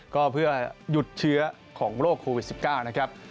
ก็เพื่อหยุดเชื้อของโรคโควิด๑๙นะครับ